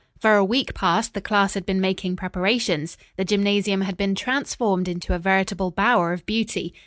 For a week past the class had been making preparations. The gymnasium had been transformed into a veritable bower of beauty.